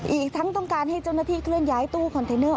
อีกทั้งต้องการให้เจ้าหน้าที่เคลื่อนย้ายตู้คอนเทนเนอร์